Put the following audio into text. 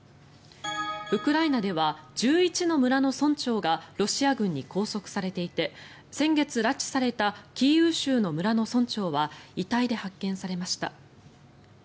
ウクライナでは１１の村の村長がロシア軍に拘束されていて先月、拉致されたキーウ州の村の村長は遺体で発見されました。